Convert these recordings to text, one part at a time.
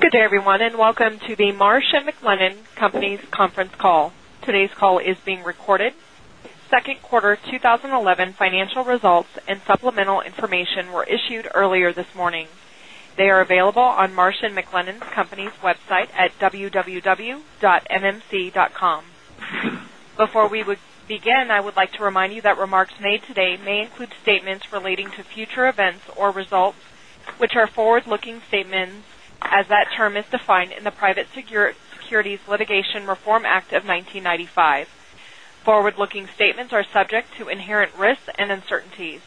Good day, everyone, and welcome to the Marsh & McLennan Companies conference call. Today's call is being recorded. Second quarter 2011 financial results and supplemental information were issued earlier this morning. They are available on Marsh & McLennan Companies' website at www.mmc.com. Before we would begin, I would like to remind you that remarks made today may include statements relating to future events or results, which are forward-looking statements as that term is defined in the Private Securities Litigation Reform Act of 1995. Forward-looking statements are subject to inherent risks and uncertainties.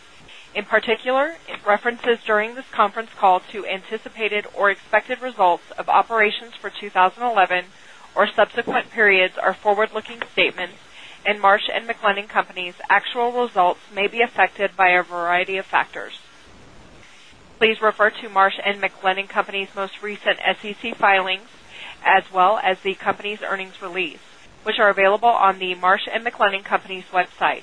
In particular, references during this conference call to anticipated or expected results of operations for 2011 or subsequent periods are forward-looking statements, and Marsh & McLennan Companies actual results may be affected by a variety of factors. Please refer to Marsh & McLennan Companies' most recent SEC filings, as well as the company's earnings release, which are available on the Marsh & McLennan Companies website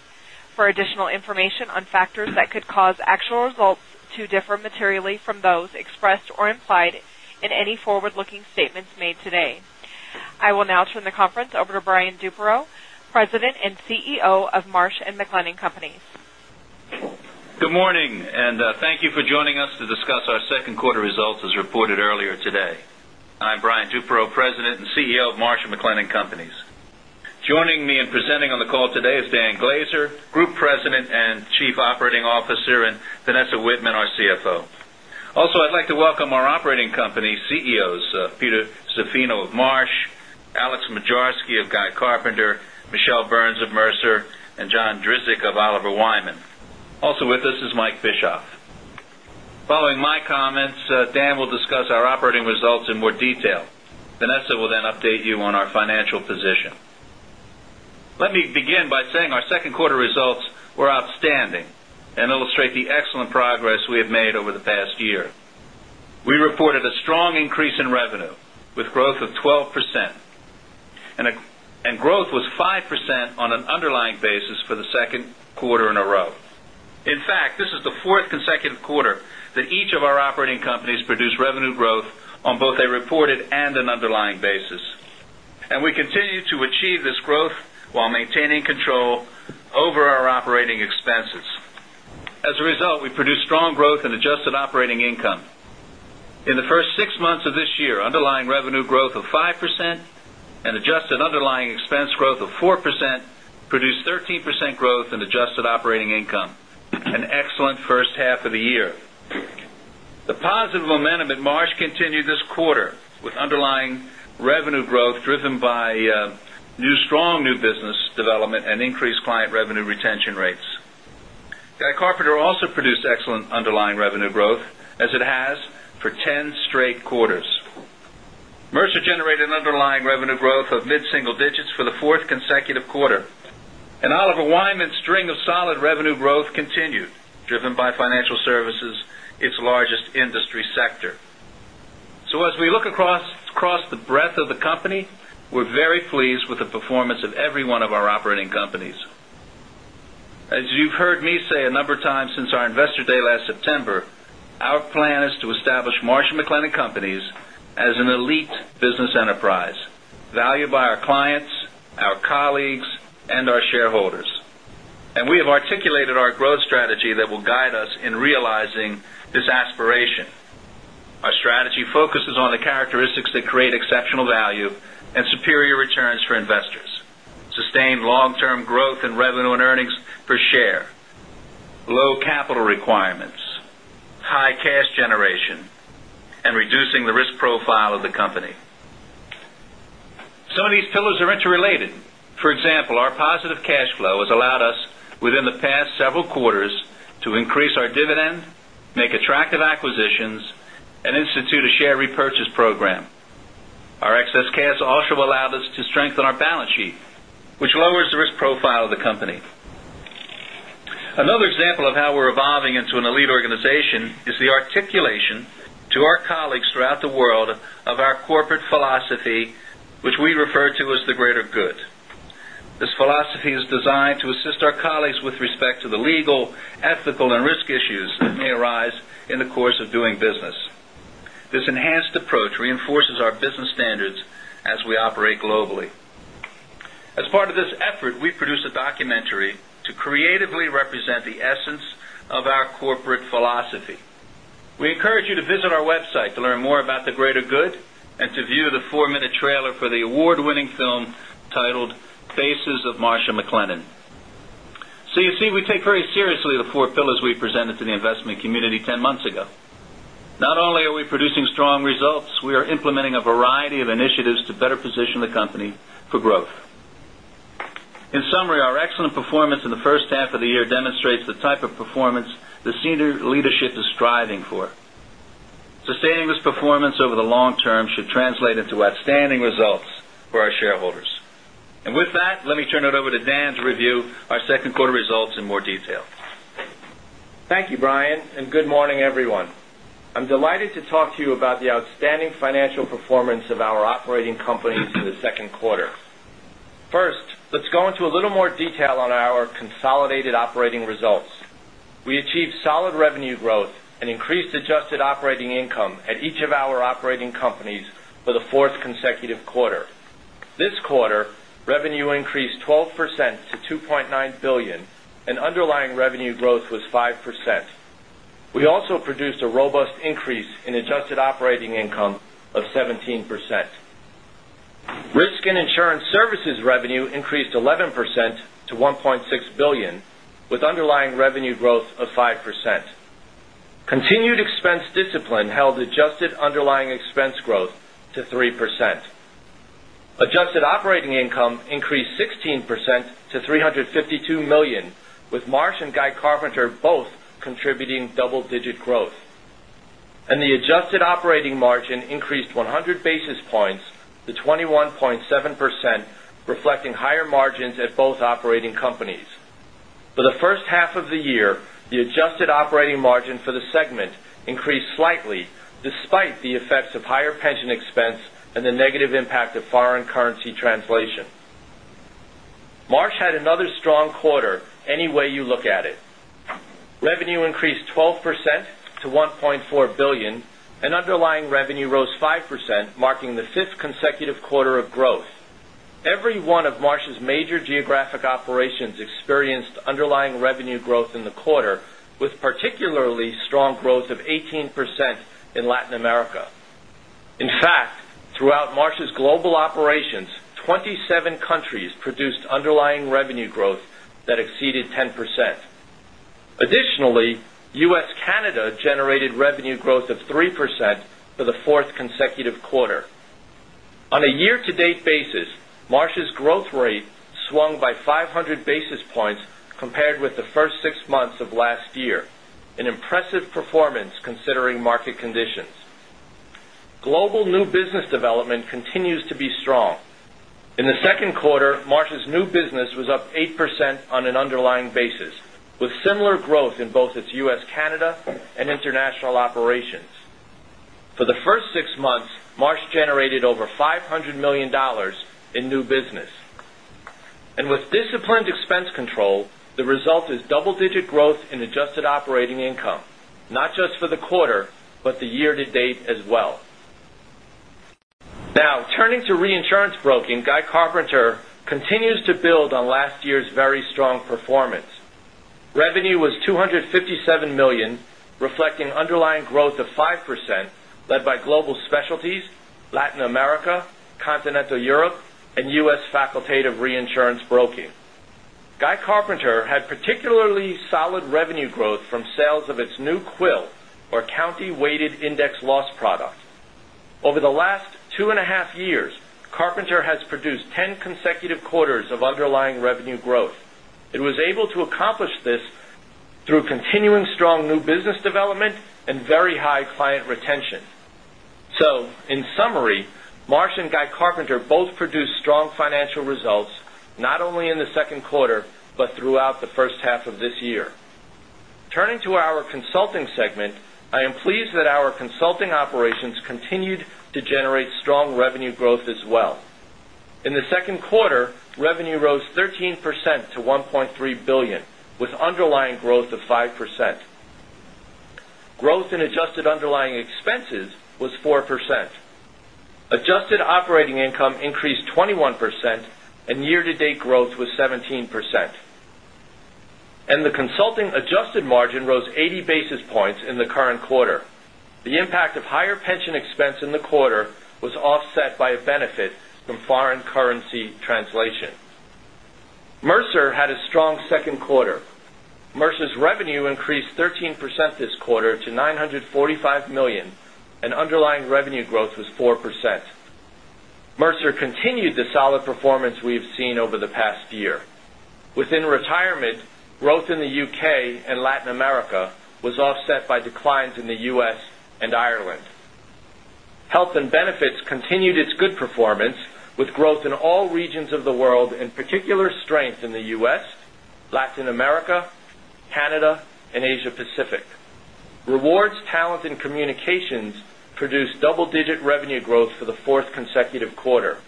for additional information on factors that could cause actual results to differ materially from those expressed or implied in any forward-looking statements made today. I will now turn the conference over to Brian Duperreault, President and CEO of Marsh & McLennan Companies. Good morning, and thank you for joining us to discuss our second quarter results as reported earlier today. I'm Brian Duperreault, President and CEO of Marsh & McLennan Companies. Joining me and presenting on the call today is Dan Glaser, Group President and Chief Operating Officer, and Vanessa Wittman, our CFO. Also, I'd like to welcome our operating company CEOs, Peter Zaffino of Marsh, Alex Moczarski of Guy Carpenter, Michele Burns of Mercer, and John Drzik of Oliver Wyman. Also with us is Mike Bischoff. Following my comments, Dan will discuss our operating results in more detail. Vanessa will then update you on our financial position. Let me begin by saying our second quarter results were outstanding and illustrate the excellent progress we have made over the past year. We reported a strong increase in revenue with growth of 12%, and growth was 5% on an underlying basis for the second quarter in a row. In fact, this is the fourth consecutive quarter that each of our operating companies produced revenue growth on both a reported and an underlying basis. We continue to achieve this growth while maintaining control over our operating expenses. As a result, we produced strong growth in adjusted operating income. In the first six months of this year, underlying revenue growth of 5% and adjusted underlying expense growth of 4% produced 13% growth in adjusted operating income, an excellent first half of the year. The positive momentum at Marsh continued this quarter with underlying revenue growth driven by strong new business development and increased client revenue retention rates. Guy Carpenter also produced excellent underlying revenue growth as it has for 10 straight quarters. Mercer generated an underlying revenue growth of mid-single digits for the fourth consecutive quarter. Oliver Wyman's string of solid revenue growth continued, driven by financial services, its largest industry sector. As we look across the breadth of the company, we're very pleased with the performance of every one of our operating companies. As you've heard me say a number of times since our investor day last September, our plan is to establish Marsh & McLennan Companies as an elite business enterprise, valued by our clients, our colleagues, and our shareholders. We have articulated our growth strategy that will guide us in realizing this aspiration. Our strategy focuses on the characteristics that create exceptional value and superior returns for investors, sustained long-term growth in revenue and earnings per share, low capital requirements, high cash generation, and reducing the risk profile of the company. Some of these pillars are interrelated. For example, our positive cash flow has allowed us, within the past several quarters, to increase our dividend, make attractive acquisitions, and institute a share repurchase program. Our excess cash also allowed us to strengthen our balance sheet, which lowers the risk profile of the company. Another example of how we're evolving into an elite organization is the articulation to our colleagues throughout the world of our corporate philosophy, which we refer to as the greater good. This philosophy is designed to assist our colleagues with respect to the legal, ethical, and risk issues that may arise in the course of doing business. This enhanced approach reinforces our business standards as we operate globally. As part of this effort, we produced a documentary to creatively represent the essence of our corporate philosophy. We encourage you to visit our website to learn more about the greater good and to view the four-minute trailer for the award-winning film titled "Faces of Marsh & McLennan." You see, we take very seriously the four pillars we presented to the investment community 10 months ago. Not only are we producing strong results, we are implementing a variety of initiatives to better position the company for growth. In summary, our excellent performance in the first half of the year demonstrates the type of performance the senior leadership is striving for. Sustaining this performance over the long term should translate into outstanding results for our shareholders. With that, let me turn it over to Dan to review our second quarter results in more detail. Thank you, Brian, and good morning, everyone. I'm delighted to talk to you about the outstanding financial performance of our operating companies in the second quarter. Let's go into a little more detail on our consolidated operating results. We achieved solid revenue growth and increased adjusted operating income at each of our operating companies for the fourth consecutive quarter. This quarter, revenue increased 12% to $2.9 billion, and underlying revenue growth was 5%. We also produced a robust increase in adjusted operating income of 17%. Risk and insurance services revenue increased 11% to $1.6 billion, with underlying revenue growth of 5%. Continued expense discipline held adjusted underlying expense growth to 3%. Adjusted operating income increased 16% to $352 million, with Marsh & Guy Carpenter both contributing double-digit growth. The adjusted operating margin increased 100 basis points to 21.7%, reflecting higher margins at both operating companies. For the first half of the year, the adjusted operating margin for the segment increased slightly despite the effects of higher pension expense and the negative impact of foreign currency translation. Marsh had another strong quarter, any way you look at it. Revenue increased 12% to $1.4 billion, and underlying revenue rose 5%, marking the fifth consecutive quarter of growth. Every one of Marsh's major geographic operations experienced underlying revenue growth in the quarter, with particularly strong growth of 18% in Latin America. In fact, throughout Marsh's global operations, 27 countries produced underlying revenue growth that exceeded 10%. Additionally, U.S. Canada generated revenue growth of 3% for the fourth consecutive quarter. On a year-to-date basis, Marsh's growth rate swung by 500 basis points compared with the first six months of last year, an impressive performance considering market conditions. Global new business development continues to be strong. In the second quarter, Marsh's new business was up 8% on an underlying basis, with similar growth in both its U.S. Canada and international operations. For the first six months, Marsh generated over $500 million in new business. With disciplined expense control, the result is double-digit growth in adjusted operating income, not just for the quarter, but the year to date as well. Now, turning to reinsurance broking, Guy Carpenter continues to build on last year's very strong performance. Revenue was $257 million, reflecting underlying growth of 5%, led by global specialties, Latin America, Continental Europe, and U.S. Facultative Reinsurance Broking. Guy Carpenter had particularly solid revenue growth from sales of its new CWIL, or County-Weighted Index Loss product. Over the last two and a half years, Carpenter has produced 10 consecutive quarters of underlying revenue growth. It was able to accomplish this through continuing strong new business development and very high client retention. In summary, Marsh & Guy Carpenter both produced strong financial results, not only in the second quarter, but throughout the first half of this year. Turning to our consulting segment, I am pleased that our consulting operations continued to generate strong revenue growth as well. In the second quarter, revenue rose 13% to $1.3 billion, with underlying growth of 5%. Growth in adjusted underlying expenses was 4%. Adjusted operating income increased 21%, and year-to-date growth was 17%. The consulting adjusted margin rose 80 basis points in the current quarter. The impact of higher pension expense in the quarter was offset by a benefit from foreign currency translation. Mercer had a strong second quarter. Mercer's revenue increased 13% this quarter to $945 million, and underlying revenue growth was 4%. Mercer continued the solid performance we have seen over the past year. Within retirement, growth in the U.K. and Latin America was offset by declines in the U.S. and Ireland. Health and benefits continued its good performance, with growth in all regions of the world, in particular strength in the U.S., Latin America, Canada, and Asia Pacific. Rewards, talent, and communications produced double-digit revenue growth for the fourth consecutive quarter.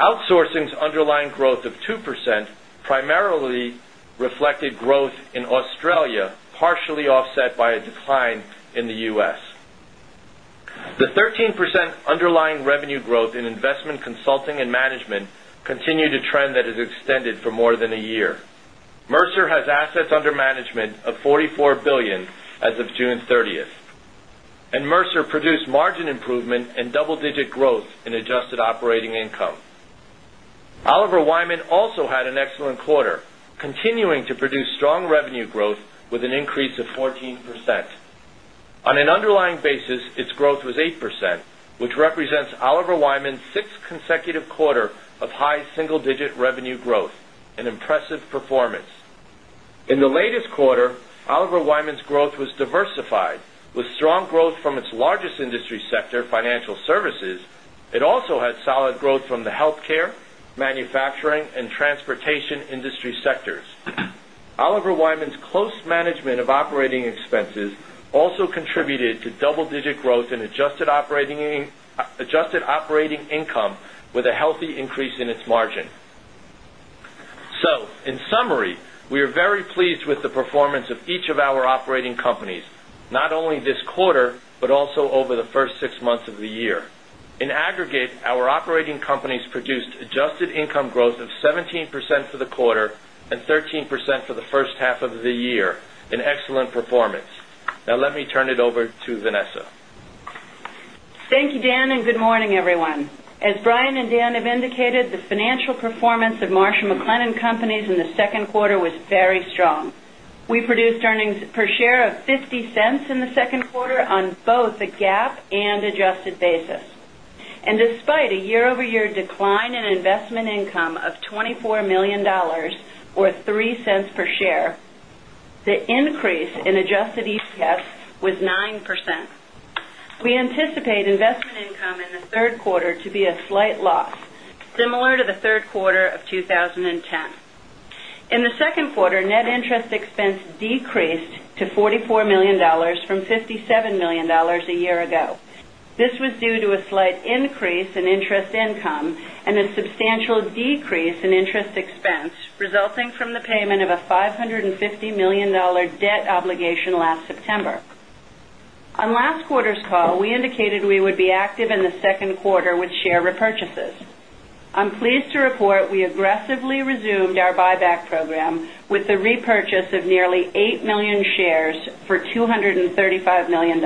Outsourcing's underlying growth of 2% primarily reflected growth in Australia, partially offset by a decline in the U.S. The 13% underlying revenue growth in investment consulting and management continued a trend that has extended for more than a year. Mercer has assets under management of $44 billion as of June 30th, and Mercer produced margin improvement and double-digit growth in adjusted operating income. Oliver Wyman also had an excellent quarter, continuing to produce strong revenue growth with an increase of 14%. On an underlying basis, its growth was 8%, which represents Oliver Wyman's sixth consecutive quarter of high single-digit revenue growth, an impressive performance. In the latest quarter, Oliver Wyman's growth was diversified with strong growth from its largest industry sector, financial services. It also had solid growth from the healthcare, manufacturing, and transportation industry sectors. Oliver Wyman's close management of operating expenses also contributed to double-digit growth in adjusted operating income with a healthy increase in its margin. In summary, we are very pleased with the performance of each of our operating companies, not only this quarter, but also over the first six months of the year. In aggregate, our operating companies produced adjusted income growth of 17% for the quarter and 13% for the first half of the year, an excellent performance. Let me turn it over to Vanessa. Thank you, Dan, and good morning, everyone. As Brian and Dan have indicated, the financial performance of Marsh & McLennan Companies in the second quarter was very strong. We produced earnings per share of $0.50 in the second quarter on both a GAAP and adjusted basis. Despite a year-over-year decline in investment income of $24 million, or $0.03 per share, the increase in adjusted EPS was 9%. We anticipate investment income in the third quarter to be a slight loss, similar to the third quarter of 2010. In the second quarter, net interest expense decreased to $44 million from $57 million a year ago. This was due to a slight increase in interest income and a substantial decrease in interest expense resulting from the payment of a $550 million debt obligation last September. On last quarter's call, we indicated we would be active in the second quarter with share repurchases. I'm pleased to report we aggressively resumed our buyback program with the repurchase of nearly 8 million shares for $235 million.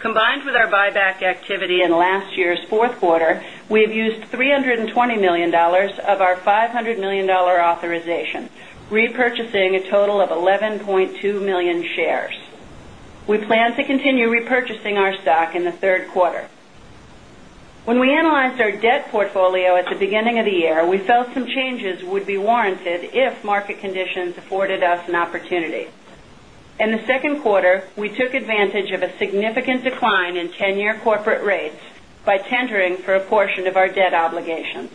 Combined with our buyback activity in last year's fourth quarter, we have used $320 million of our $500 million authorization, repurchasing a total of 11.2 million shares. We plan to continue repurchasing our stock in the third quarter. When we analyzed our debt portfolio at the beginning of the year, we felt some changes would be warranted if market conditions afforded us an opportunity. In the second quarter, we took advantage of a significant decline in 10-year corporate rates by tendering for a portion of our debt obligations.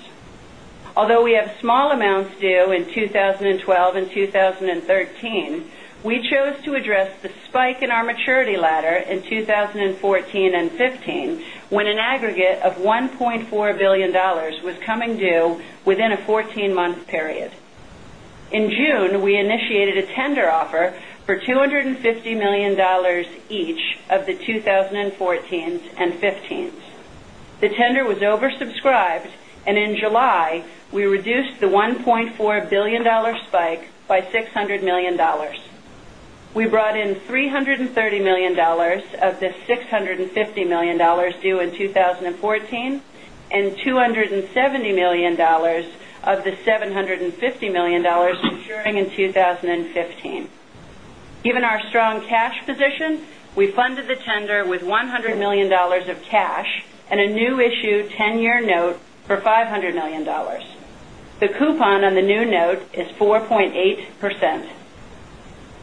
Although we have small amounts due in 2012 and 2013, we chose to address the spike in our maturity ladder in 2014 and 2015, when an aggregate of $1.4 billion was coming due within a 14-month period. In June, we initiated a tender offer for $250 million each of the 2014s and 2015s. The tender was oversubscribed, and in July, we reduced the $1.4 billion spike by $600 million. We brought in $330 million of the $650 million due in 2014 and $270 million of the $750 million maturing in 2015. Given our strong cash position, we funded the tender with $100 million of cash and a new issue 10-year note for $500 million. The coupon on the new note is 4.8%.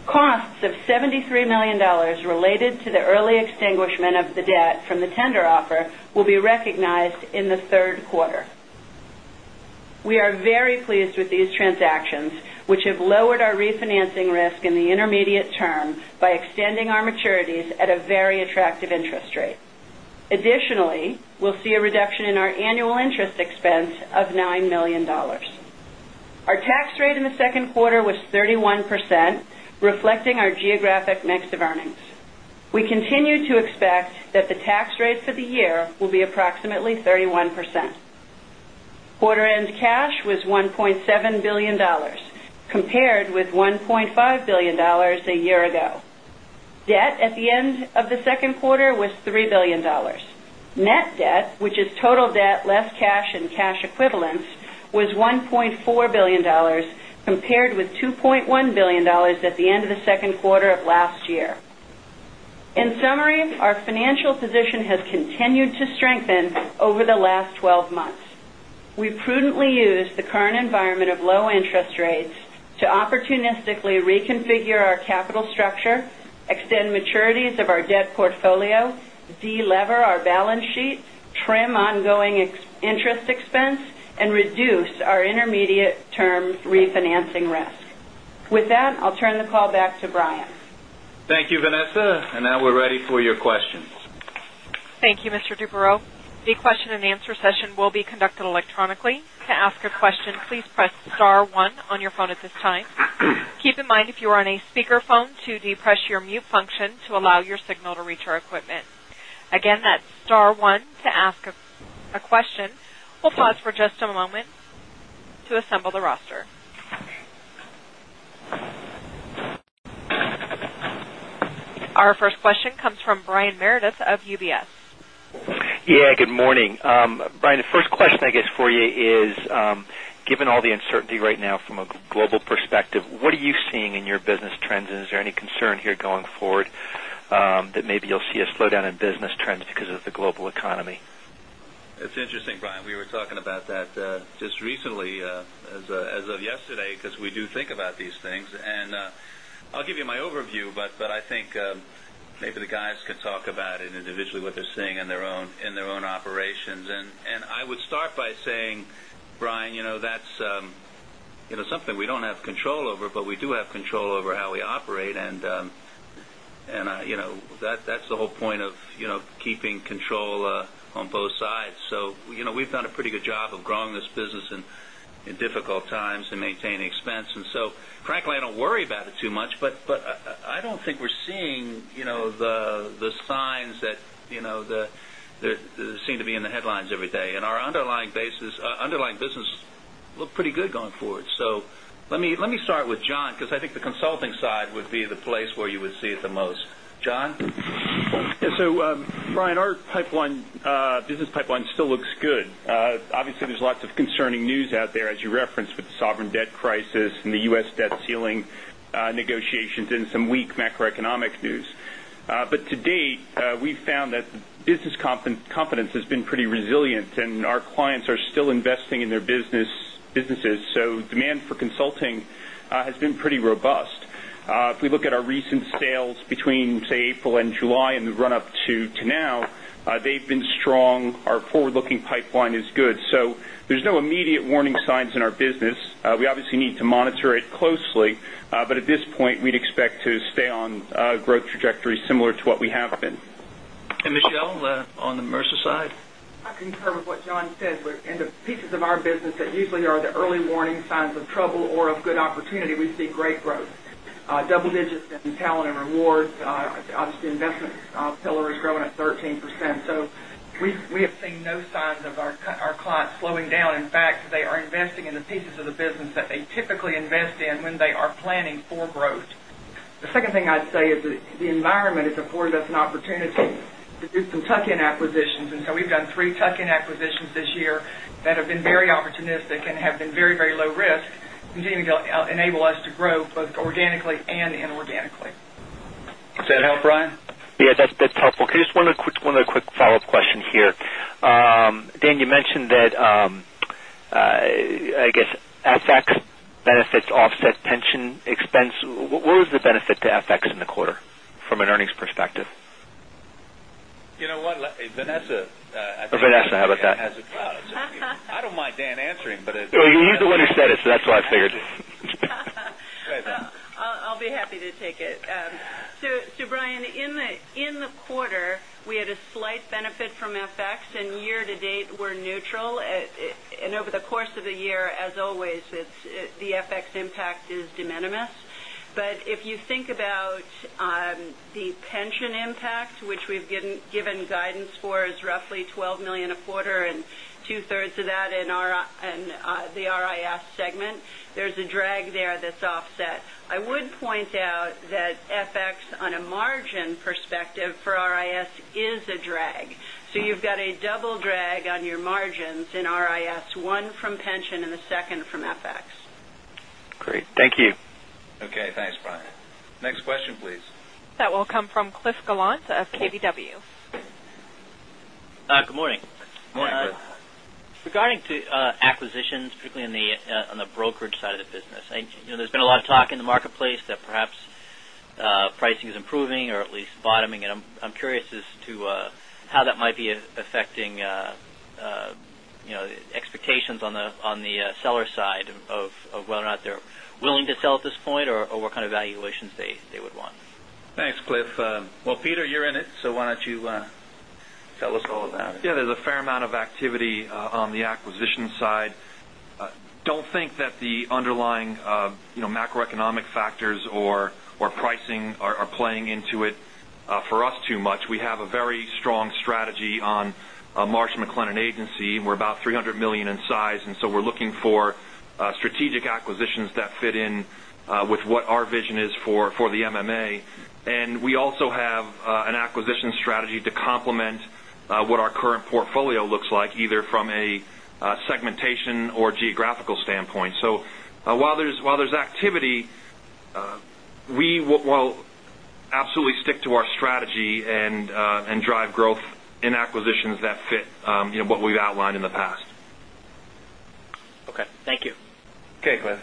Costs of $73 million related to the early extinguishment of the debt from the tender offer will be recognized in the third quarter. We are very pleased with these transactions, which have lowered our refinancing risk in the intermediate term by extending our maturities at a very attractive interest rate. Additionally, we'll see a reduction in our annual interest expense of $9 million. Our tax rate in the second quarter was 31%, reflecting our geographic mix of earnings. We continue to expect that the tax rate for the year will be approximately 31%. Quarter-end cash was $1.7 billion, compared with $1.5 billion a year ago. Debt at the end of the second quarter was $3 billion. Net debt, which is total debt less cash and cash equivalents, was $1.4 billion, compared with $2.1 billion at the end of the second quarter of last year. In summary, our financial position has continued to strengthen over the last 12 months. We prudently used the current environment of low interest rates to opportunistically reconfigure our capital structure, extend maturities of our debt portfolio, de-lever our balance sheet, trim ongoing interest expense, and reduce our intermediate-term refinancing risk. With that, I'll turn the call back to Brian. Thank you, Vanessa, and now we're ready for your questions. Thank you, Mr. Duperreault. The question and answer session will be conducted electronically. To ask a question, please press star one on your phone at this time. Keep in mind, if you are on a speakerphone, to depress your mute function to allow your signal to reach our equipment. Again, that's star one to ask a question. We'll pause for just a moment to assemble the roster. Our first question comes from Brian Meredith of UBS. Yeah, good morning. Brian, the first question I guess for you is, given all the uncertainty right now from a global perspective, what are you seeing in your business trends? Is there any concern here going forward that maybe you'll see a slowdown in business trends because of the global economy? It's interesting, Brian, we were talking about that just recently as of yesterday, because we do think about these things. I'll give you my overview, I think maybe the guys can talk about it individually, what they're seeing in their own operations. I would start by saying, Brian, that's something we don't have control over, but we do have control over how we operate. That's the whole point of keeping control on both sides. We've done a pretty good job of growing this business in difficult times and maintaining expense. Frankly, I don't worry about it too much, I don't think we're seeing the signs that seem to be in the headlines every day. Our underlying business look pretty good going forward. Let me start with John, because I think the consulting side would be the place where you would see it the most. John? Brian, our business pipeline still looks good. Obviously, there's lots of concerning news out there, as you referenced, with the sovereign debt crisis and the U.S. debt ceiling negotiations and some weak macroeconomic news. To date, we've found that business confidence has been pretty resilient, and our clients are still investing in their businesses, so demand for consulting has been pretty robust. If we look at our recent sales between, say, April and July and the run up to now, they've been strong. Our forward-looking pipeline is good. There's no immediate warning signs in our business. We obviously need to monitor it closely. At this point, we'd expect to stay on a growth trajectory similar to what we have been. Michele on the Mercer side. I concur with what John said. In the pieces of our business that usually are the early warning signs of trouble or of good opportunity, we see great growth, double digits in talent and rewards. Obviously, investment pillar is growing at 13%. We have seen no signs of our clients slowing down. In fact, they are investing in the pieces of the business that they typically invest in when they are planning for growth. The second thing I'd say is the environment has afforded us an opportunity to do some tuck-in acquisitions, and we've done three tuck-in acquisitions this year that have been very opportunistic and have been very low risk, continuing to enable us to grow both organically and inorganically. Does that help, Brian? Yeah, that's helpful. Can you just one quick follow-up question here. Dan, you mentioned that, I guess FX benefits offset pension expense. What was the benefit to FX in the quarter from an earnings perspective? You know what, Vanessa. Vanessa, how about that? I don't mind Dan answering. Well, you're the one who said it, that's why I figured. Go ahead, Vanessa. I'll be happy to take it. Brian, in the quarter, we had a slight benefit from FX, and year to date, we're neutral. Over the course of the year, as always, the FX impact is de minimis. If you think about the pension impact, which we've given guidance for, is roughly $12 million a quarter and two-thirds of that in the RIS segment. There's a drag there that's offset. I would point out that FX on a margin perspective for RIS is a drag. You've got a double drag on your margins in RIS, one from pension and the second from FX. Great. Thank you. Okay. Thanks, Brian. Next question, please. That will come from Cliff Gallant of KBW. Good morning. Morning, Cliff. Regarding acquisitions, particularly on the brokerage side of the business, there's been a lot of talk in the marketplace that perhaps pricing is improving or at least bottoming. I'm curious as to how that might be affecting expectations on the seller side of whether or not they're willing to sell at this point, or what kind of valuations they would want. Thanks, Cliff. Peter, you're in it, why don't you tell us all about it? There's a fair amount of activity on the acquisition side. I don't think that the underlying macroeconomic factors or pricing are playing into it for us too much. We have a very strong strategy on Marsh McLennan Agency. We're about $300 million in size, we're looking for strategic acquisitions that fit in with what our vision is for the MMA. We also have an acquisition strategy to complement what our current portfolio looks like, either from a segmentation or geographical standpoint. While there's activity, we will absolutely stick to our strategy and drive growth in acquisitions that fit what we've outlined in the past. Thank you. Okay, Cliff.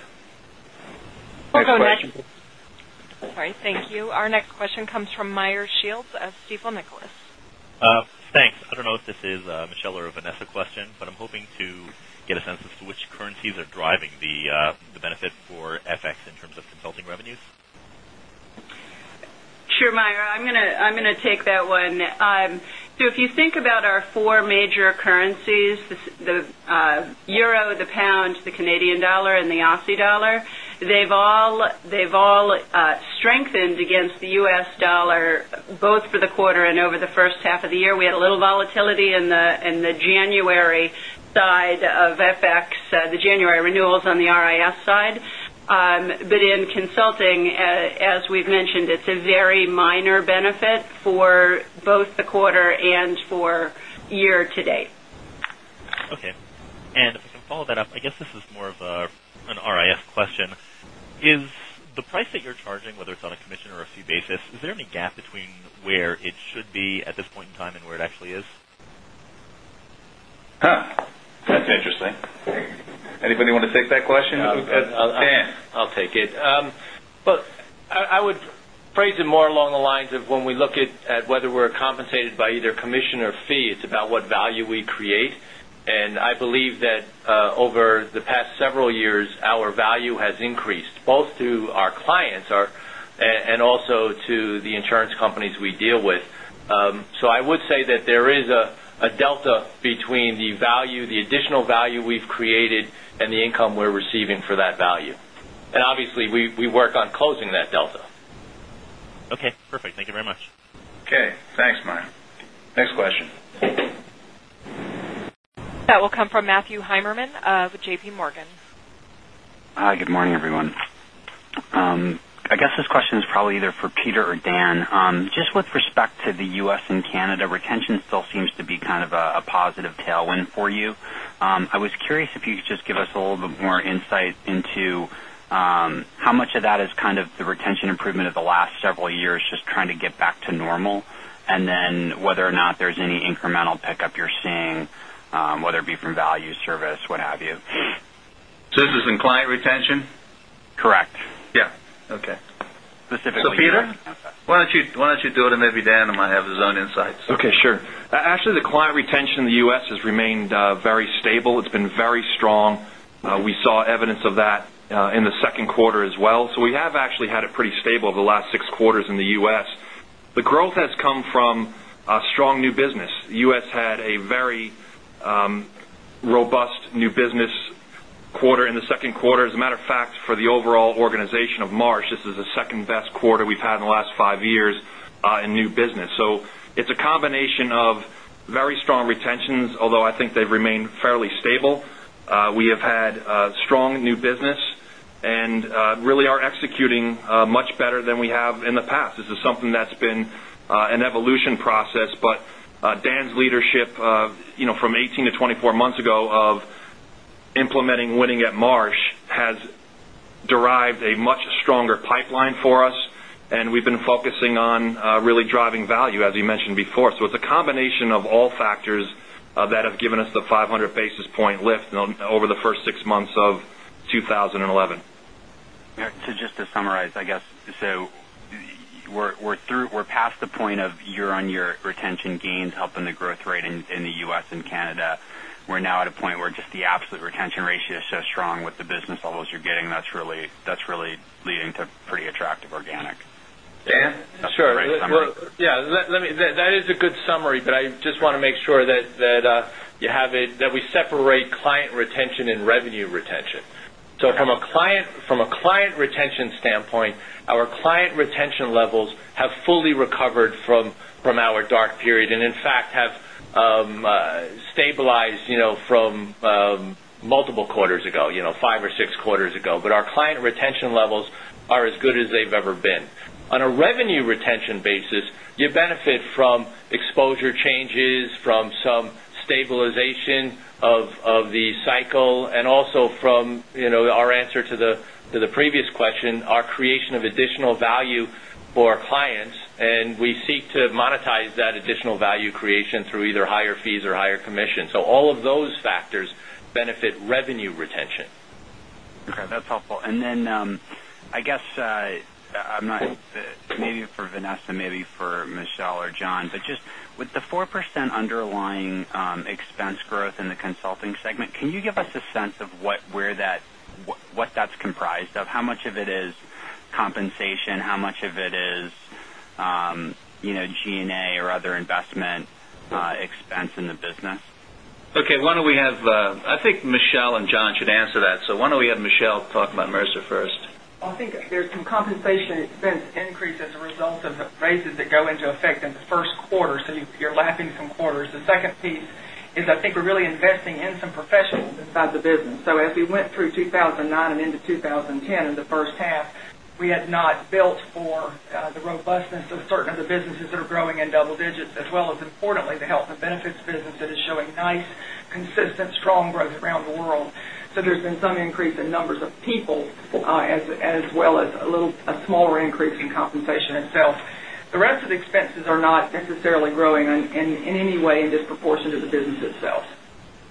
We'll go next. Next question. Sorry, thank you. Our next question comes from Meyer Shields of Stifel Nicolaus. Thanks. I don't know if this is a Michele or a Vanessa question, I'm hoping to get a sense as to which currencies are driving the benefit for FX in terms of consulting revenues. Sure, Meyer, I'm going to take that one. If you think about our four major currencies, the euro, the pound, the Canadian dollar, and the Aussie dollar, they've all strengthened against the U.S. dollar, both for the quarter and over the first half of the year. We had a little volatility in the January side of FX, the January renewals on the RIS side. In consulting, as we've mentioned, it's a very minor benefit for both the quarter and for year to date. Okay. If I can follow that up, I guess this is more of an RIS question. Is the price that you're charging, whether it's on a commission or a fee basis, is there any gap between where it should be at this point in time and where it actually is? Huh. That's interesting. Anybody want to take that question? Dan? I'll take it. Look, I would phrase it more along the lines of when we look at whether we're compensated by either commission or fee, it's about what value we create. I believe that over the past several years, our value has increased, both to our clients, and also to the insurance companies we deal with. I would say that there is a delta between the additional value we've created and the income we're receiving for that value. Obviously, we work on closing that delta. Okay, perfect. Thank you very much. Okay. Thanks, Meyer. Next question. That will come from Matthew Heimermann of J.P. Morgan. Hi, good morning, everyone. I guess this question is probably either for Peter or Dan. Just with respect to the U.S. and Canada, retention still seems to be kind of a positive tailwind for you. I was curious if you could just give us a little bit more insight into how much of that is kind of the retention improvement of the last several years, just trying to get back to normal, and then whether or not there's any incremental pickup you're seeing, whether it be from value service, what have you. This is in client retention? Correct. Yeah. Okay. Specifically- Peter, why don't you do it, and maybe Dan might have his own insights. Okay, sure. Actually, the client retention in the U.S. has remained very stable. It's been very strong. We saw evidence of that in the second quarter as well. We have actually had it pretty stable over the last six quarters in the U.S. The growth has come from strong new business. The U.S. had a very robust new business quarter in the second quarter. As a matter of fact, for the overall organization of Marsh, this is the second-best quarter we've had in the last five years in new business. It's a combination of very strong retentions, although I think they've remained fairly stable. We have had strong new business, and really are executing much better than we have in the past. This is something that's been an evolution process. Dan's leadership from 18-24 months ago of implementing Winning at Marsh has derived a much stronger pipeline for us, and we've been focusing on really driving value, as you mentioned before. It's a combination of all factors that have given us the 500 basis point lift over the first six months of 2011. To just to summarize, I guess, we're past the point of year-on-year retention gains helping the growth rate in the U.S. and Canada. We're now at a point where just the absolute retention ratio is so strong with the business levels you're getting, that's really leading to pretty attractive organic. Dan? Sure. Is that the right summary? That is a good summary. I just want to make sure that we separate client retention and revenue retention. From a client retention standpoint, our client retention levels have fully recovered from our dark period, and in fact, have stabilized from multiple quarters ago, five or six quarters ago. Our client retention levels are as good as they've ever been. On a revenue retention basis, you benefit from exposure changes, from some stabilization of the cycle, and also from our answer to the previous question, our creation of additional value for our clients, and we seek to monetize that additional value creation through either higher fees or higher commission. All of those factors benefit revenue retention. Okay, that's helpful. I guess, maybe for Vanessa, maybe for Michele or John, just with the 4% underlying expense growth in the consulting segment, can you give us a sense of what that's comprised of? How much of it is compensation? How much of it is G&A or other investment expense in the business? Okay. I think Michele and John should answer that. Why don't we have Michele talk about Mercer first? I think there's some compensation expense increase as a result of raises that go into effect in the first quarter, you're lapping some quarters. The second piece is, I think we're really investing in some professionals inside the business. As we went through 2009 and into 2010 in the first half, we had not built for the robustness of certain of the businesses that are growing in double digits, as well as, importantly, the health and benefits business that is showing nice, consistent, strong growth around the world. There's been some increase in numbers of people, as well as a little, a smaller increase in compensation itself. The rest of the expenses are not necessarily growing in any way in disproportion to the business itself.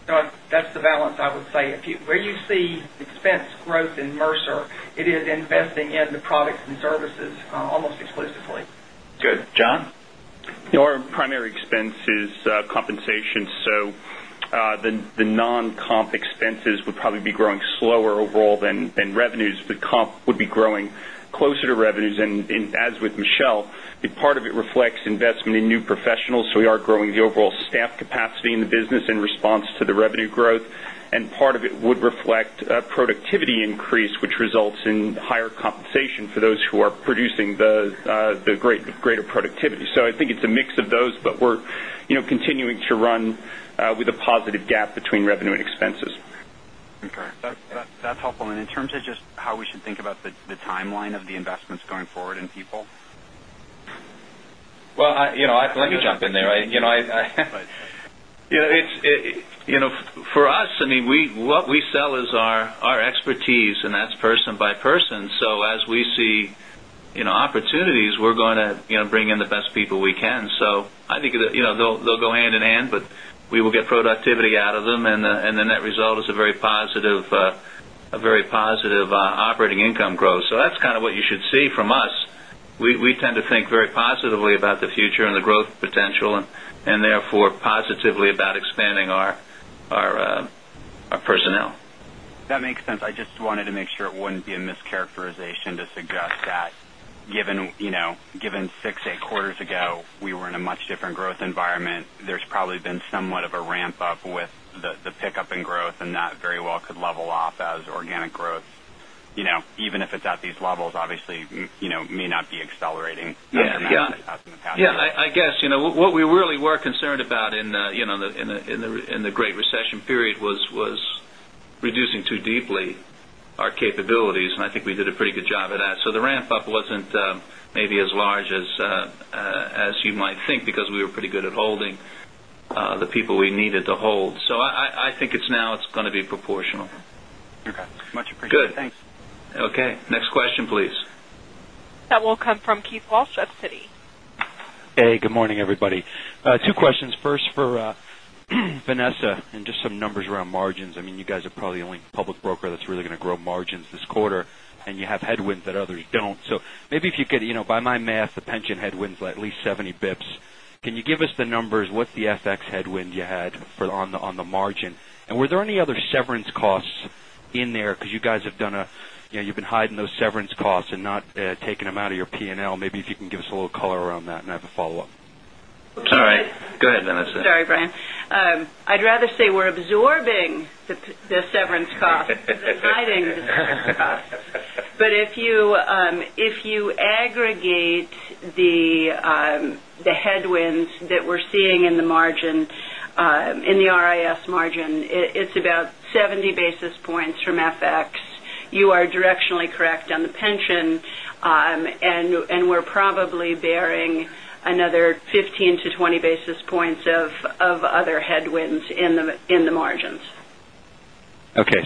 That's the balance I would say. Where you see expense growth in Mercer, it is investing in the products and services almost exclusively. Good. John? Our primary expense is compensation. The non-comp expenses would probably be growing slower overall than revenues, but comp would be growing closer to revenues. As with Michele, a part of it reflects investment in new professionals. We are growing the overall staff capacity in the business in response to the revenue growth. Part of it would reflect a productivity increase, which results in higher compensation for those who are producing the greater productivity. I think it's a mix of those, but we're continuing to run with a positive gap between revenue and expenses. Okay. That's helpful. In terms of just how we should think about the timeline of the investments going forward in people? Well, let me jump in there. Go ahead. For us, what we sell is our expertise, and that's person by person. As we see Opportunities, we're going to bring in the best people we can. I think they'll go hand in hand, but we will get productivity out of them, and the net result is a very positive operating income growth. That's kind of what you should see from us. We tend to think very positively about the future and the growth potential and therefore positively about expanding our personnel. That makes sense. I just wanted to make sure it wouldn't be a mischaracterization to suggest that given six, eight quarters ago, we were in a much different growth environment. There's probably been somewhat of a ramp-up with the pickup in growth, and that very well could level off as organic growth. Even if it's at these levels, obviously, may not be accelerating as dramatically as in the past. Yeah. I guess. What we really were concerned about in the great recession period was reducing too deeply our capabilities, and I think we did a pretty good job at that. The ramp-up wasn't maybe as large as you might think because we were pretty good at holding the people we needed to hold. I think now it's going to be proportional. Okay. Much appreciated. Good. Thanks. Okay. Next question, please. That will come from Keith Walsh of Citi. Hey, good morning, everybody. Two questions. First for Vanessa, just some numbers around margins. You guys are probably the only public broker that's really going to grow margins this quarter, and you have headwinds that others don't. Maybe if you could, by my math, the pension headwinds are at least 70 basis points. Can you give us the numbers? What's the FX headwind you had on the margin? Were there any other severance costs in there? Because you guys have been hiding those severance costs and not taking them out of your P&L. Maybe if you can give us a little color around that, and I have a follow-up. It's all right. Go ahead, Vanessa. Sorry, Brian. I'd rather say we're absorbing the severance costs than hiding the severance costs. If you aggregate the headwinds that we're seeing in the RIS margin, it's about 70 basis points from FX. You are directionally correct on the pension. We're probably bearing another 15 to 20 basis points of other headwinds in the margins. Okay.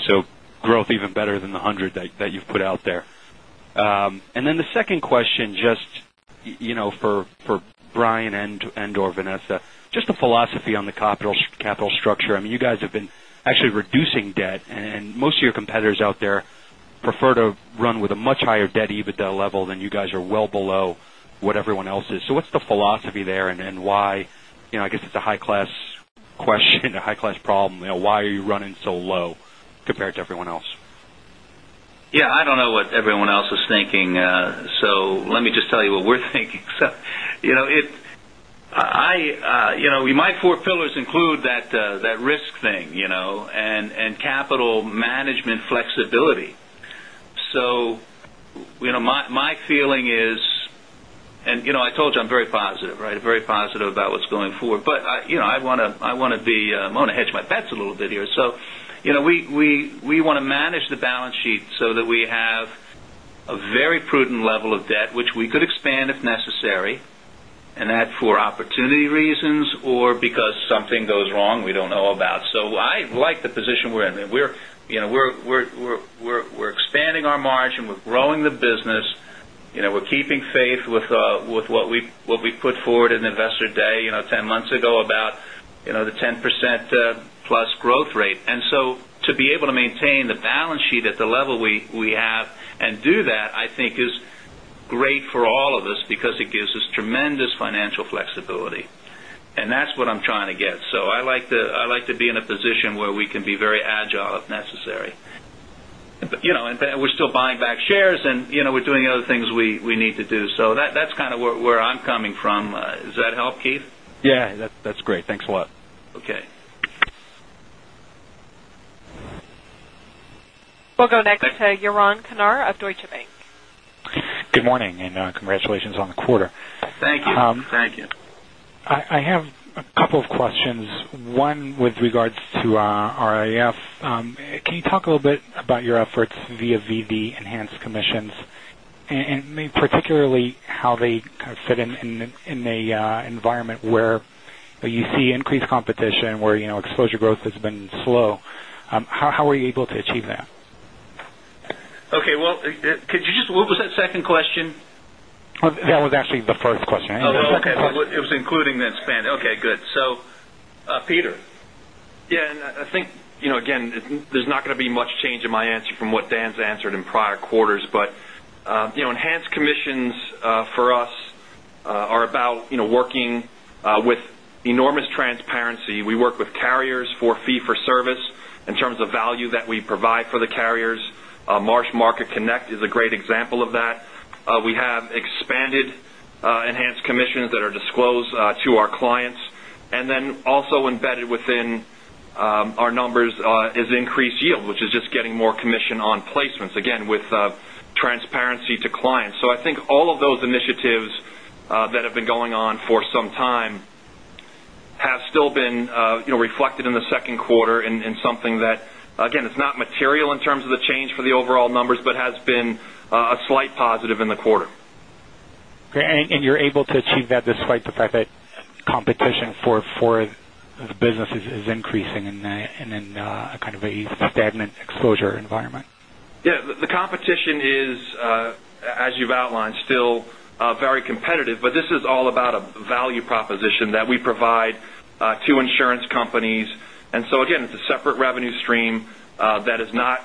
Growth even better than the 100 that you've put out there. The second question just for Brian and/or Vanessa, just a philosophy on the capital structure. You guys have been actually reducing debt, and most of your competitors out there prefer to run with a much higher debt EBITDA level than you guys are well below what everyone else is. What's the philosophy there, and why, I guess it's a high-class question, a high-class problem, why are you running so low compared to everyone else? Yeah, I don't know what everyone else is thinking, let me just tell you what we're thinking. My four pillars include that risk thing, and capital management flexibility. My feeling is, and I told you I'm very positive, right? Very positive about what's going forward. I want to hedge my bets a little bit here. We want to manage the balance sheet so that we have a very prudent level of debt, which we could expand if necessary, and that for opportunity reasons or because something goes wrong we don't know about. I like the position we're in. We're expanding our margin. We're growing the business. We're keeping faith with what we put forward in Investor Day 10 months ago about the 10%-plus growth rate. To be able to maintain the balance sheet at the level we have and do that, I think is great for all of us because it gives us tremendous financial flexibility. That's what I'm trying to get. I like to be in a position where we can be very agile if necessary. We're still buying back shares, and we're doing other things we need to do. That's kind of where I'm coming from. Does that help, Keith? Yeah. That's great. Thanks a lot. Okay. We'll go next to Yaron Kinar of Deutsche Bank. Good morning, congratulations on the quarter. Thank you. I have a couple of questions, one with regards to RIS. Can you talk a little bit about your efforts via [the] enhanced commissions? Particularly how they kind of fit in the environment where you see increased competition, where exposure growth has been slow. How are you able to achieve that? Okay. What was that second question? That was actually the first question. Oh, okay. It was including that spend. Okay, good. Peter. Yeah, I think, again, there's not going to be much change in my answer from what Dan's answered in prior quarters. Enhanced commissions for us are about working with enormous transparency. We work with carriers for fee for service in terms of value that we provide for the carriers. Marsh MarketConnect is a great example of that. We have expanded enhanced commissions that are disclosed to our clients. Then also embedded within our numbers is increased yield, which is just getting more commission on placements, again, with transparency to clients. I think all of those initiatives that have been going on for some time have still been reflected in the second quarter in something that, again, it's not material in terms of the change for the overall numbers but has been a slight positive in the quarter. Great. You're able to achieve that despite the fact that competition for the business is increasing in a kind of a stagnant exposure environment? Yeah, the competition is, as you've outlined, still very competitive, but this is all about a value proposition that we provide to insurance companies. Again, it's a separate revenue stream that is not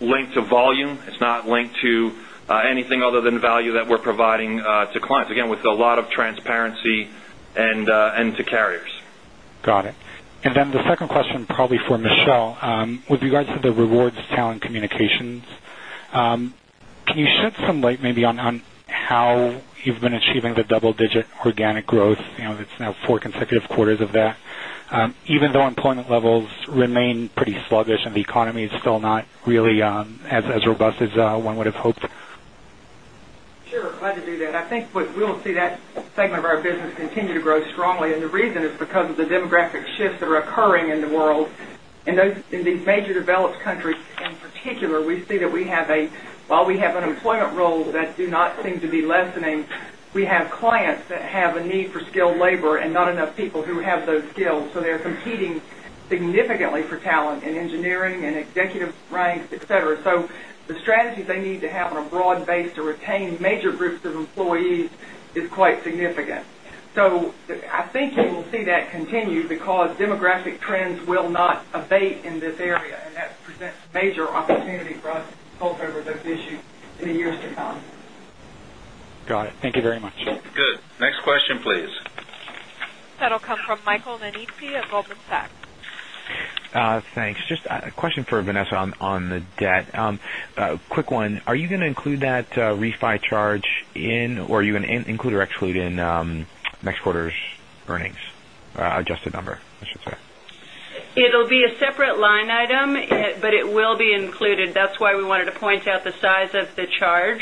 linked to volume. It's not linked to anything other than value that we're providing to clients, again, with a lot of transparency to carriers. Got it. The second question, probably for Michele, with regards to the Rewards Talent Communications, can you shed some light maybe on how you've been achieving the double-digit organic growth? It's now four consecutive quarters of that, even though employment levels remain pretty sluggish and the economy is still not really as robust as one would have hoped. Sure. Glad to do that. I think we'll see that segment of our business continue to grow strongly, and the reason is because of the demographic shifts that are occurring in the world. In these major developed countries, in particular, we see that while we have unemployment rolls that do not seem to be lessening, we have clients that have a need for skilled labor and not enough people who have those skills. They're competing significantly for talent in engineering and executive ranks, et cetera. The strategies they need to have on a broad base to retain major groups of employees is quite significant. I think you will see that continue because demographic trends will not abate in this area, and that presents major opportunity for us to pull together this issue in the years to come. Got it. Thank you very much. Good. Next question, please. That'll come from Mike Nannizzi at Goldman Sachs. Thanks. Just a question for Vanessa on the debt. A quick one. Are you going to include that refi charge in, or are you going to include or exclude in next quarter's earnings? Adjusted number, I should say. It'll be a separate line item, it will be included. That's why we wanted to point out the size of the charge,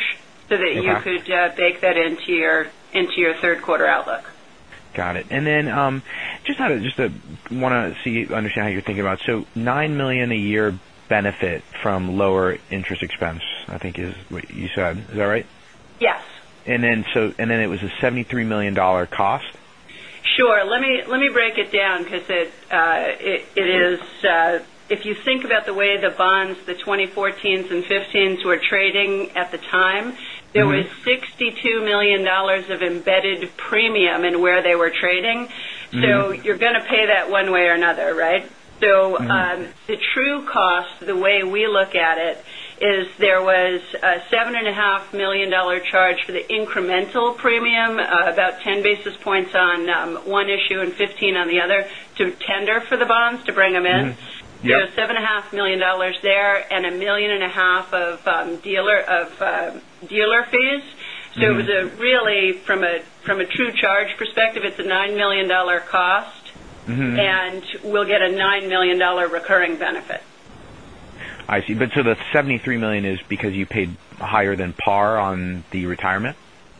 so that you could bake that into your third quarter outlook. Got it. Just want to understand how you're thinking about it. $9 million a year benefit from lower interest expense, I think is what you said. Is that right? Yes. It was a $73 million cost? Sure. Let me break it down, because if you think about the way the bonds, the 2014s and 2015s, were trading at the time, there was $62 million of embedded premium in where they were trading. You're going to pay that one way or another, right? The true cost, the way we look at it, is there was a $7.5 million charge for the incremental premium, about 10 basis points on one issue and 15 on the other, to tender for the bonds to bring them in. Yeah. $7.5 million there and a million and a half of dealer fees. It was a really, from a true charge perspective, it's a $9 million cost. We'll get a $9 million recurring benefit. I see. The $73 million is because you paid higher than par on the retirement?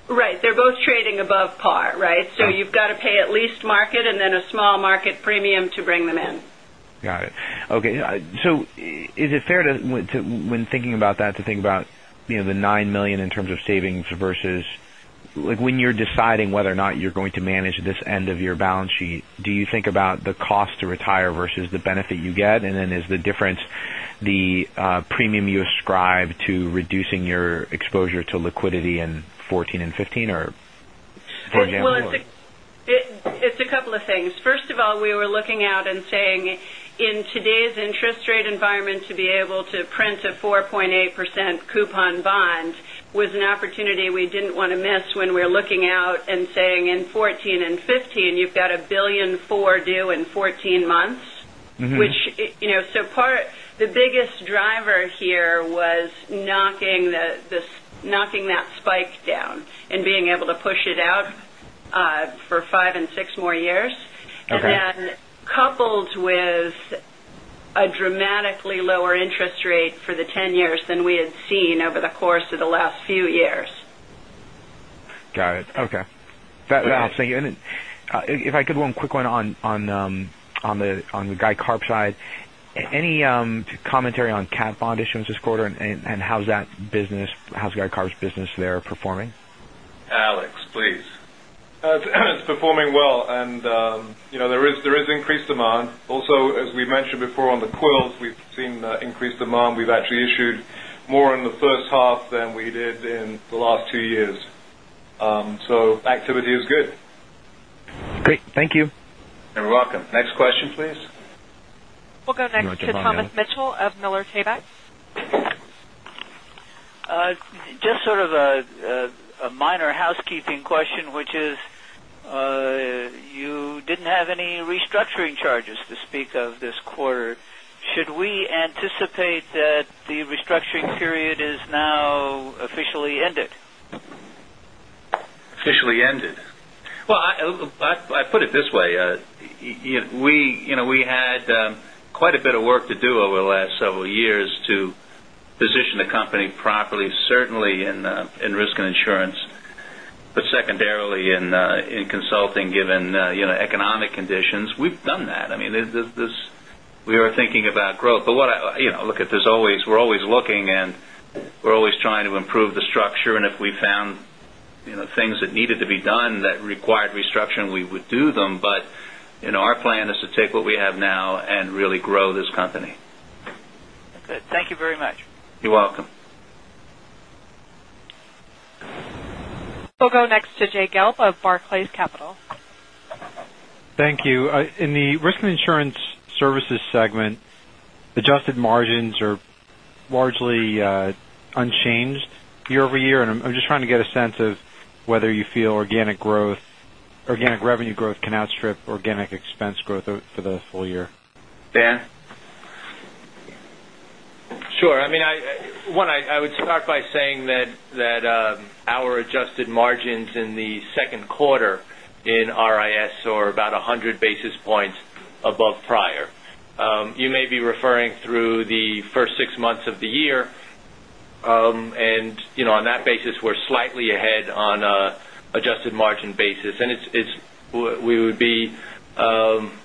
Right. They're both trading above par, right? You've got to pay at least market and then a small market premium to bring them in. Got it. Okay. Is it fair to, when thinking about that, to think about the $9 million in terms of savings versus when you're deciding whether or not you're going to manage this end of your balance sheet, do you think about the cost to retire versus the benefit you get? Is the difference the premium you ascribe to reducing your exposure to liquidity in 2014 and 2015, or for example? Well, it's a couple of things. First of all, we were looking out and saying, in today's interest rate environment, to be able to print a 4.8% coupon bond was an opportunity we didn't want to miss when we're looking out and saying in 2014 and 2015, you've got $1.4 billion due in 14 months. The biggest driver here was knocking that spike down and being able to push it out for five and six more years. Okay. Coupled with a dramatically lower interest rate for the 10 years than we had seen over the course of the last few years. If I could, one quick one on the Guy Carpenter side. Any commentary on cat bond issuance this quarter, and how's Guy Carpenter's business there performing? Alex, please. It's performing well, and there is increased demand. Also, as we've mentioned before on the CWILs, we've seen increased demand. We've actually issued more in the first half than we did in the last two years. Activity is good. Great. Thank you. You're welcome. Next question, please. We'll go next to Thomas Mitchell of Miller Tabak. Just sort of a minor housekeeping question, which is, you didn't have any restructuring charges to speak of this quarter. Should we anticipate that the restructuring period is now officially ended? Officially ended. Well, I put it this way. We had quite a bit of work to do over the last several years to position the company properly, certainly in risk and insurance, but secondarily in consulting, given economic conditions. We've done that. I mean, there's We are thinking about growth. Look, we're always looking, we're always trying to improve the structure. If we found things that needed to be done that required restructuring, we would do them. Our plan is to take what we have now and really grow this company. Okay. Thank you very much. You're welcome. We'll go next to Jay Gelb of Barclays Capital. Thank you. In the risk and insurance services segment, adjusted margins are largely unchanged year-over-year. I'm just trying to get a sense of whether you feel organic revenue growth can outstrip organic expense growth for the full year. Dan? Sure. One, I would start by saying that our adjusted margins in the second quarter in RIS are about 100 basis points above prior. You may be referring through the first six months of the year. On that basis, we're slightly ahead on an adjusted margin basis. We would be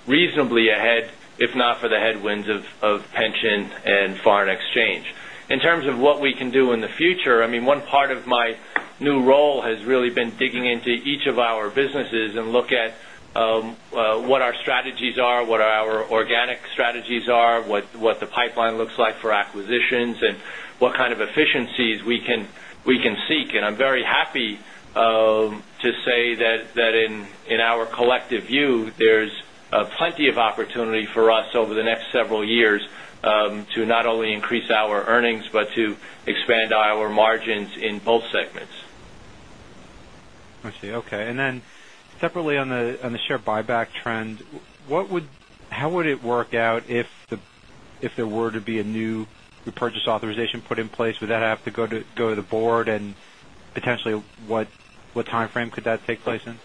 reasonably ahead if not for the headwinds of pension and foreign exchange. In terms of what we can do in the future, one part of my new role has really been digging into each of our businesses and look at what our strategies are, what our organic strategies are, what the pipeline looks like for acquisitions, and what kind of efficiencies we can seek. I'm very happy to say that in our collective view, there's plenty of opportunity for us over the next several years to not only increase our earnings but to expand our margins in both segments. I see. Okay. Then separately on the share buyback trend, how would it work out if there were to be a new repurchase authorization put in place? Would that have to go to the board, and potentially, what timeframe could that take place in?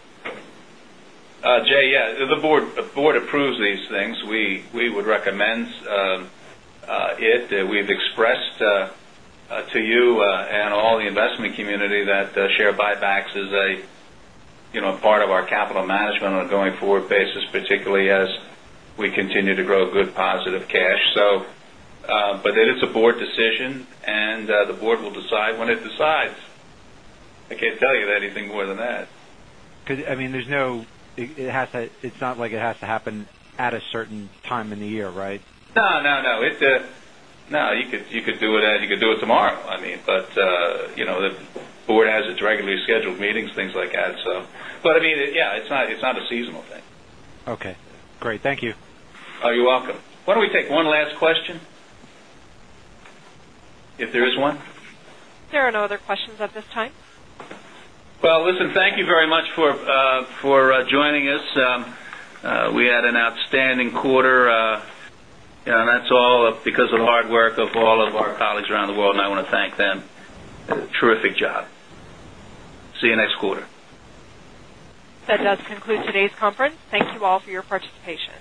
Jay, yeah. The board approves these things. We would recommend it. We've expressed to you and all the investment community that share buybacks is a part of our capital management on a going-forward basis, particularly as we continue to grow good positive cash. It is a board decision, and the board will decide when it decides. I can't tell you anything more than that. It's not like it has to happen at a certain time in the year, right? No. You could do it tomorrow. The board has its regularly scheduled meetings, things like that. It's not a seasonal thing. Okay, great. Thank you. You're welcome. Why don't we take one last question, if there is one? There are no other questions at this time. Well, listen, thank you very much for joining us. We had an outstanding quarter. That's all because of the hard work of all of our colleagues around the world, and I want to thank them. They did a terrific job. See you next quarter. That does conclude today's conference. Thank you all for your participation.